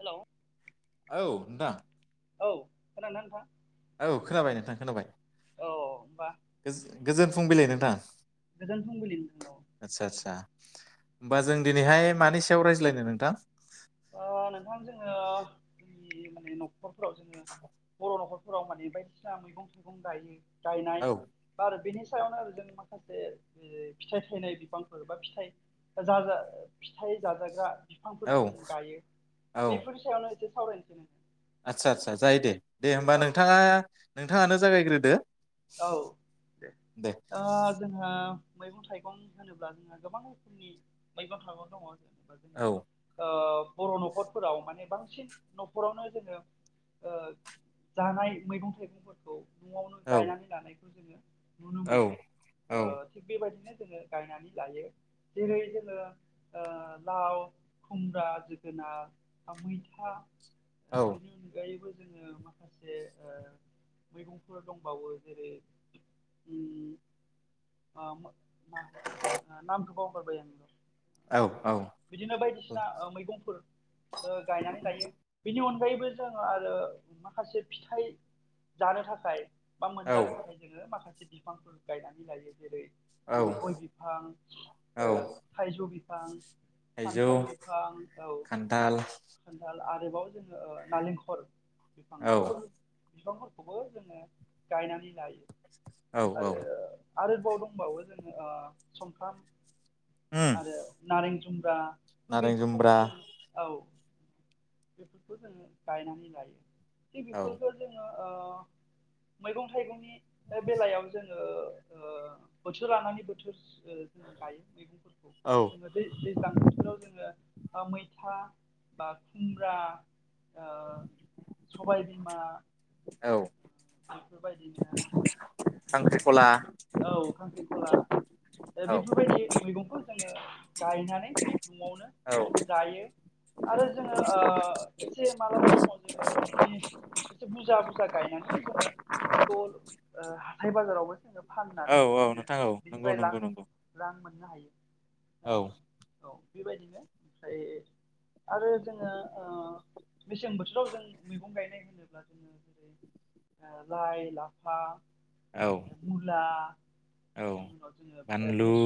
Hello. औ नोंथा। औ खोनादों ना नोंथां। औ खोनाबाय नोंथां खोनाबाय औ होमबा गो-गोजोन फुंबिलि नोंथां। गोजोन फुंबिलि नोंथां औ आतसा आतसा होमबा जों दिनैहाय मानि सायाव रायज्लायनो नोंथां? ओ नोंथां जोङो जोंनि माने न'खरफोराव जोंङो बर' न'खरफोराव माने बायदिसिना मैगं थाइगं गायो गायनाय औ बा आरो बिनि सायावनो आरो जों माखासे ओय फिथाइ थायनाय बिफांफोर बा फिथाइ जाजा फिथाइ जाजाग्रा औ बिफांफोर जों गायो औ बेफोरनि सायावनो एसे सावरायनोसै नो आदसा आदसा जायो दे दे होम्बा नोंथाङा नोंथाङानो जागायग्रोदो। औ दे ओ जोंहा मैगं थाइगं होनोब्ला जोंहा गोबां रोखोमनि मैगं थाइगं दङ'। जेनेबा औ जोंनि ओ बर' न'खरफोराव माने बांसिन न'खरावनो जोङो ओ जानाय मैगं थाइगंफोरखौ न'आवनो औ गायनानै लानायखौ जोङो नुनो औ मोनो औ। ओ थिग बेबायदिनो जोङो गायनानै लायो जेरै जोङो ओ लाव। खुमब्रा जोगोनार बा मैथा। बिनि अनगायैबो जोङो माखासे ओ मैगंफोर दं। दंबावो जेरै उम ओ मो मा नामखो बावगारबाय औ आं। बिदिनो बायदिसिना ओ मैगंफोर ओ गायनानै लायो बेनि अनगायै बो जों आरो माखासे फिथाइ जानो थाखाय बा औ मोनजानो थाखाय जोङो माखासे बिफांफोर गायनानै लायो जेरै औ जोङो गय बिफां औ ओ थाइजौ बिफां। थाइजौ खान्थाल बिफां औ खान्थाल खान्थाल आ आरोबाव जोङो ओ नारेंखल बिफां औ बिफोर बिफांफोरखौबो जोङो गायनानै लायो औ औ आरो आरोदबाव दंबावो जोङो ओ संफ्राम उम आरो नारें जुम्ब्रा। नारें बेफोरखौबो जुम्ब्रा जों औ बेफोरखौ जोङो गायनानै लायो। बे औ बिफोरखो जोङो ओ मैगं थाइगंनि बे बेलायाव जोङो ओ बोथोर लानानै बोथोर जोङो उम गायो मैगंफोरखौ औ जोङो दै दैज्लां बोथोराव जोङो ओ मैथा। बा खुमब्रा ओ सबायबिमा। औ। बेफोरबायदिनो उम खांख्रिखला औ खांख्रिखला। ओ औ बेफोरबायदि मैगंखौ जोङो गायनानै औ न'आवनो जायो। आरो जोङो ओ एसे मालाबा समाव जोङो बिनि एसे बुजा बुजा गायनानैबो जोङो बिखौ ओ हाथाय बाजारावबो जोङो औ फान्नानै औ जोङो नोंथां औ नंगौ बिनिफ्राय लां नंगौ नंगौ रां मोन्नो हायो। औ। औ बेबायदिनो ओमफाय आरो जोङो ओ मेसें बोथोराव जों मैगं गायनाय होनोब्ला जोङो जेरै ओ लाय लाफा। मुला औ बेनि उनाव जोङो ओ बानलु बेस'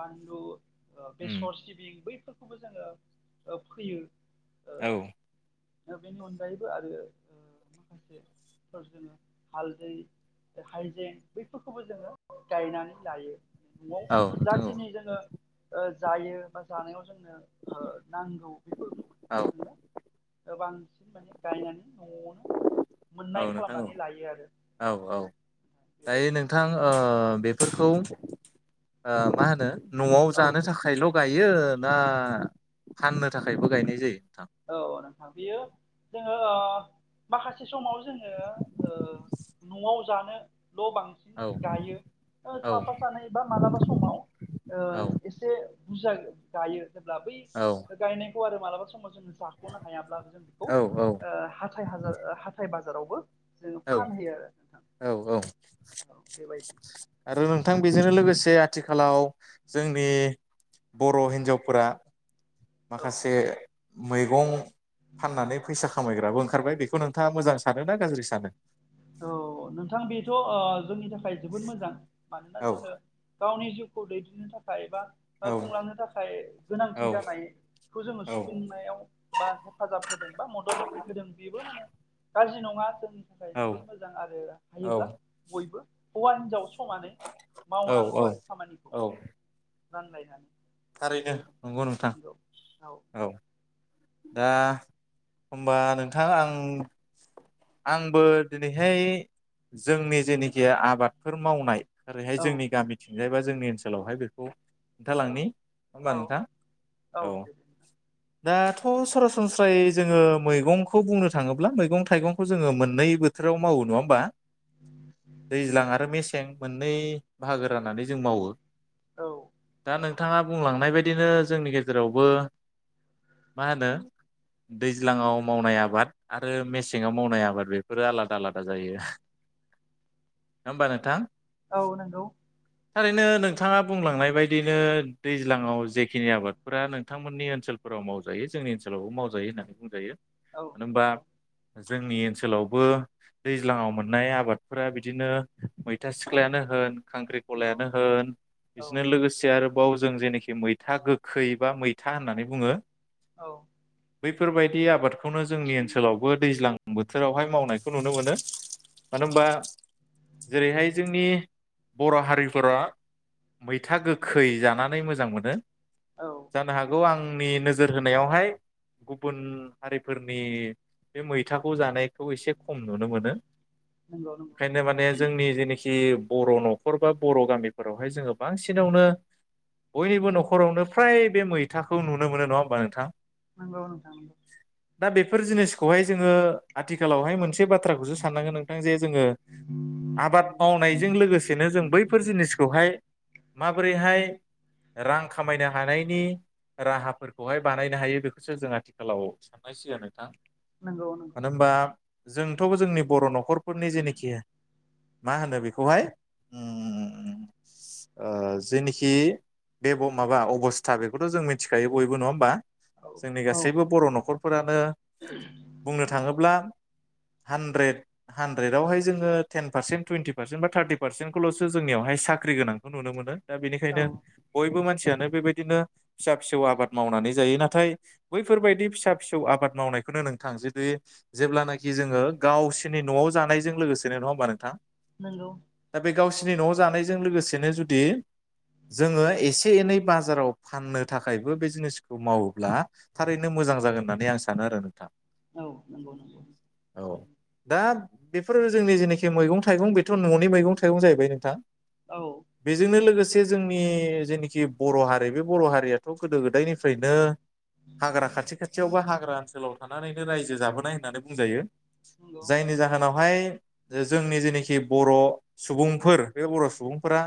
बानलु। ओ उम बेसर सिबिं बैफोरखौबो जोङो ओ फोयो। औ। दा बेनि अनगायैबो आरो ओ माखासे फोर जोङो हालदै हायजें बैफोरखौबो जोङो गायनानै लायो। न'आव औ नोंथां औ जाखिनि जोङो ओ जायो बा जानायाव ज जोंनो ओ नांगौ बेफोरख औ जोङो गोबां बांसिन माने गायनानै न'आवनो मोन्नाय। नांगौ औ औ दायो बेबायदिनो नोंथां जोङो ओ ओ बेफोरखौ ओ मा होनो न'आव औ जानो थाखायल' ग गायो ना फान्नो थाखायबो गायनाय जायो। नोंथां औ नोंथां बेयो जोङो ओ माखासे समाव ज जोङो ओ न'आव जानो ल' बांसिन औ गायो। ओ औ साफा सानै बा मालाबा समाव ओ औ एसे बुरजा गायो जेब्ला बै औ गायनायखौ आरो मालाबा समाव जोंङो खाख'नो हायाब्ला जों बेखौ औ औ ओ हाथाय हाजार, हाथाय बाजारावबो जोङो औ फानहोयो आरो नोंथां औ औ औ बेबायदि आरो थां बेजोंनो लोगोसे आथिखालाव जोंनि बर' हिनजावफोरा औ माखासे मैगं फाननानै फैसा खामायग्राबो ओंखारबाय, बेखौ नोंथाङा मोजां सानो ना गाज्रि सानो? औ नोंथां बेथ' ओ जोंनि थाखाय जोबोद मोजां मानोना औ जोङो गावनि जिउखौ दैदेननो थाखाय एबा औ खुंलांनो थाखाय औ गोनांथि जानाय खौ जोङो औ सुफुंनायाव, बा हेफाजाब होदों बा मदद होदों, बेबो माने गाज्रि नङा जोंनि थाखाय जोबोद मोजां आरो औ हायोब्ला बयबो हौवा हिन हिनजाव समानो औ औ मावनांगौ आरो खामानिखौ औ रानलायनानै। थिग थारैनो बेबायदि नंगौ नोंथां औ। दा होम्बा नोंथां आं आंबो दिनैहाय जोंनि जेनोखि आबादफोर मावनाय ओरैहाय औ जोंनि औ गामिथिंजाय बा जोंनि ओनसोलावहाय बेखौ नंगौ खोन्थालांनि, नङा होमबा औ नोंथां औ, दे दे नोंथां। दा थ' सरासनस्रायै जोङो मैगंखौ बुंनो थाङोब्ला मैगं थाइगंखौ जोङो मोननै बोथोराव मावो। नङा होमबा दैज्लां आरो मेसें, मोननै बाहागो राननानै जों मावो। औ दा नंगौ नोंथाङा बुंलांनाय बायदिनो जोंनि गेजेरावबो मा होनो दैज्लाङाव मावनाय आबाद आरो मेसेङाव मावनाय आबाद, बेफोरो आलादा आलादा जायो। होमबा नोथां औ नंगौ। थारैनो नोंथाङा बुंलांनाय बायदियनो दैज्लाङाव जेखिनि आबाद फोरा नोंथांमोननि ओनसोलफोराव मावजायो जोंनि ओनसोलावबो मावजायो होननानै बुंजायो। औ मानो होनबा नंगौ। जोंनि ओनसोलावबो दैज्लाङाव मोननाय आबादफोरा बिदिनो मैथा सिख्लायानो होन नंगौ खांख्रिखलायानो होन, औ बिदिनो लोगोसे आरो बाव जों जेखि मैथा गोखै, बा मैथा होननानै बुङो औ। बैफोरबायदि आबादखौनो जोंनि ओनसोलावबो दैज्लां बोथोरावहाय मावनायखौ नुनो मोनो। मानो होनबा, जेरैहाय जोंनि बर' हारिफोरा मैथा गोखै जानानै मोजां मोनो, औ जानो हागौ नंगौ आंनि नोजोर होनायावहाय गुबुन हारिफोरनि बे मैथाखौ जानायखौ एसे खम नुनो मोनो। नंगौ नंगौ बेखायनो माने जोंनि जेनोखि जि बर' न'खर बा बर' गामिफोरावहाय जोंङो बांसिनावनो बयनिबो न'खरावनो फ्राय बे मैथाखौ नुनो मोनो नंङा होमबा नोंथां। नोंगौ नोंथां नंगौ दा बेफोर जिनिसखौहाय जोंङो, आथिखालावहाय मोनसे बाथ्राखौसो साननांगोन नोंथां जे जोंङो आबाद मावनायजों लोगोसेनो जों बैफोर जिनिसखौहाय माबोरैहाय रां खामायनो हानायनि राहाफोरखौ बहाय बानायनो हायो बेखौसो जों आथिखालाव साननां सिगोन नोंथां। नंगौ नंगौ मानो होनबा जोंथ' जोंनि बर' न'खरफोरनि जेनोखि मा होनो बेखौहाय, उम ओ जेनिखि बेब माबा अबस्था, बेखौथ' जों मिथिखायो बयबो नङा होमबा। औ जोंनि औ गासैबो बर' न'खरफोरानो बुंनो थाङोब्ला [inaudible] हानद्रेद हान्रेदावहाय जोंङो टेन पारसेन टुइन्टि पारसेन बा थार्टि पारसेन्टखौल'स जोंयावहाय साख साख्रि गोनांखौ नुनो मोनो दा औ बेनिखायनो बयबो मानसियानो बेबायदिनो फिसा फिसौ आबाद मावनानै जायो नाथाय बैफोरबायदि फिसा फिसौ आबाद मावनायखौनो नोंथां जुदि जेब्लानाखि जोंङो गावसोरनि न'आव जानायजों लोगोसेनो नङा होमबा नोंथां नंगौ गावसिरनि न'आव जानायजों लोगोसेनो जुदि जोंङो एसे एनै बाजाराव फाननो थाखायबो बे जिनिसखौ मावोब्ला थारैनो मोजां जागोन होननानै आं सानो आरो नोंथां। औ नंगौ नंगौ बेफोर जोंनि जेनाखि मैगं थाइगं बेथ' न'नि मैगं थाइगं जाहैबाय नोंथां औ बेजोंनो लोगोसे जोंनि जेनिखि बर' हारि बे बर' हारियाथ' गोदो गोदाय उदैनिफ्रायनो हाग्रा खाथि खाथियावबा हाग्रा ओनसोलाव थानानैनो रायजो जाबोनाय होननानै बुंजायो। नंगौ जायनि जाहोनावहाय जे जोंनि जेनाखि बर' सुबुंफोर बे बर' सुबुंफोरा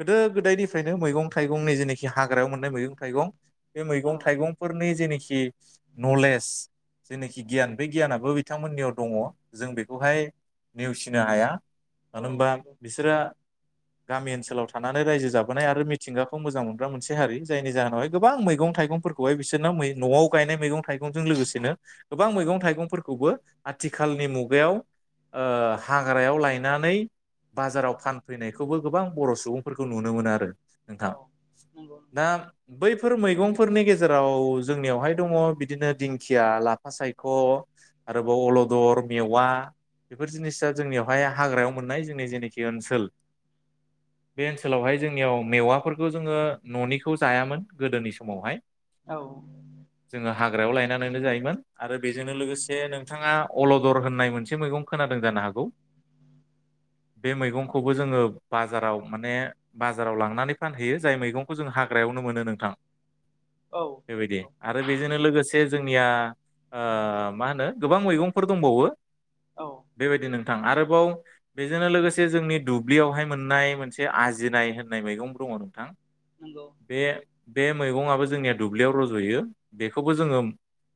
गोदो गोदायनिफ्रायनो मैगं थाइगंनि जेनाखि हाग्रायाव मोननाय मैगं थाइगं बे मैगं औ थाइगंफोरनि जेनोखि नलेज जेनाखि गियान बे गियानाबो बिथांमोननियाव दङ जों बेखौहाय नेवसिनो हाया औ मानो होनबा नंगौ बिसोरो गामि ओनसोलाव थानानै रायजो जाबोनाय आरो मिथिंगाखौ मोजां मोनग्रा मोनसे हारि जायनि जाहोनावहाय गोबां मै मैगं थाइगंफोरखौहाय बिसोरना न'आव गायनाय मैगं थाइगंजों लोगोसेनो गोबां मैगं थाइगंफोरखौबो आथिखालनि मुगायाव ओ हाग्रायाव लायनानै बाजाराव फानफैनायखौबो गोबां बर' सुबुंफोरखौ नुनो मोनो आरो। नोंथां औ नंगौ नंगौ दा बैफोर मैगं फोरनि गेजेराव जोंनियावहाय दङ बिदिनो दिंखिया, लाफा सायख' आरोबाव अल दर, मेवा बेफोर जिनिसा जोंनियावहाय हाग्रायाव मोननाय जोंनि जेनेखि ओनसोल बे ओनसोलावहाय जोंनियाव मेवाफोरखौ जोङो न'निखौ जायामोन गोदोनि स समावहाय औ ओ हाग्रायाव लायनानैनो जायोमोन आरो बेजोंनो लोगोसे नोंथाङा अलदर होननाय मोनसे मैगं खोनादों जानो हागौ बे मैगंखौबो जोङो बाजाराव माने बाजाराव लांनानै फानहैयो जाय मैगंखौ जों हाग्रायाव नो मोनो नोंथां औ बेबायदि नंगौ आरो बेजोंनो लोगोस से जोंनिया ओ मा होनो गोबां मैगंफोर दंबावो औ बेबायदि नोंथां आरोबाव बेजोंनो लोगोसे जोंनि दुब्लियावहाय मोननाय मोनसे आजिर नाय होननाय मैगं दङ नोंथां नंगौ बे औ बे मैगंआबो जोंनिया दुब्लियाव रज'यो बेखौबो जोङो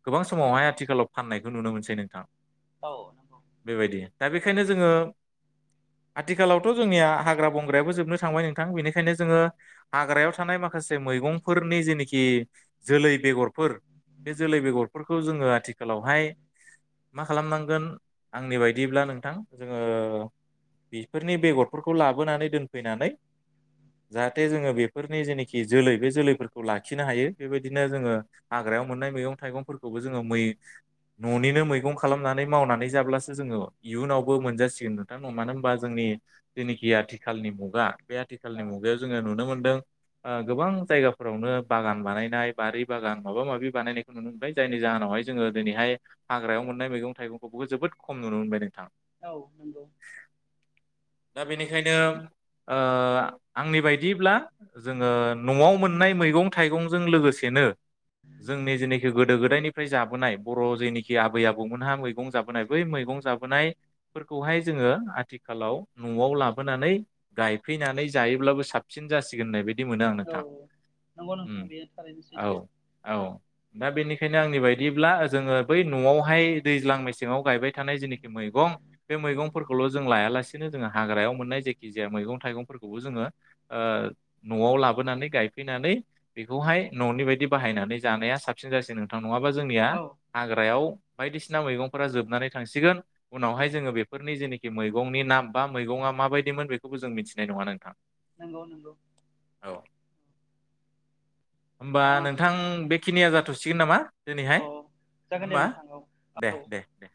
गोबां समावहाय आथिखालाव फाननायखौ नुनो मोनसै नोंथां औ नंगौ बेबायदि दा बेखायनो जोङो आथिखालावथ' जोंनिया हाग्रा बंग्रायाबो जोबनो थांबाय नोंथां बेनिखायनो जोङो हाग्रायाव थानाय माखा खासे मैगंफोरनि जेनेखि जोलै बेगरफोर बे जोलै बेगरफोर खौ जोङो आथिखालावहाय मा खालामनांगोन आंनि बायदिब्ला नोंथां जोङो बेफोरनि बेगरफोरखौ लाबोनानै दोनफैनानै जाहाथे जोङो बेफोरनि जेनेखि जोलै बे जोलै फोरखौ लाखिनो हायो बेबायदिनो जोङो हाग्रायाव मोननाय मैगं थाइगंफोरखौबो जोङो मै न'निनो मैगं खालामनानै मावनानै जाब्लासो जोङो इयुनावबो मोनजासिगोन नोंथां मानो होनबा जोंनि जेनेखि आथिखालनि मुगा बे आथिखालनि मुगायाव जोङो नुनो मोनदों ओ गोबां जायगा फोरावनो बागान बानायनाय बारि बागान माबा माबि बानायनायखौ नुनो मोनबाय जायनि जाहोनावहाय जोङो दिनैहाय हाग्रायाव मोननाय मैगं थाइगंखौबो जोबोद खम नुनो मोनबाय नोंथां। औ नंगौ। दा बेनिखायनो ओ आंनि बायदियैब्ला जोङो न'आव मोन ननाय मैगं थाइगंजों लोगोसेनो जोंनि जेनाखि गोदो गोदायनिफ्राय जाबोनाय बर' जेनिखि आबै आबौमोनहा मैगं जाबोनाय बै मैगं जाबोनायफोरखौहाय जोङो आथिखालाव न'आव लाोबोनानै गायफैनानै जायोब्लाबो साबसिन जासिगोन होननाय बायदि मोनो आं औ नोंथां। नंगौ उम नोंथां बेयो थारैनो औ सैथो औ। दा बेनिखायनो आंनि बायदियैब्ला जोङो बै न'आवहाय दैज्लां मेसेङाव गायबाय थानाय जेनेखि मैगं बे मैगंफोरखौल' जों लायालासेनो जोङो हाग्रायाव मोननाय जेखि जाया मैगं थाइगंफोरखौबो जोङो ओ न'आव लाबोनानै गाय फैनानै बेखौहाय न'नि बायदि बाहायनानै जानाया साबसिन जासिगोन नोंथां। नङाबा जोंनिया औ हाग्रायाव बायदिसिना मैगंफोरा जोबनानै थांसिगोन उनावहाय नंगौ जोङो बेफोरनि जेनेखि मैगंनि नाम बा मैगङा माबायदिमोन बेखौबो जों मिथिनाय नङा नोंथां। नंगौ नंगौ। औ होमबा अ नोंथां बेखिनिया जाथ'सिगोन नामा? औ दिनैहाय जागोन दे होमबा नोंथां औ दे औ दे दे।